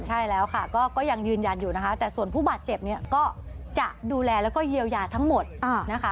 ใช่แล้วค่ะก็ยังยืนยันอยู่นะคะแต่ส่วนผู้บาดเจ็บเนี่ยก็จะดูแลแล้วก็เยียวยาทั้งหมดนะคะ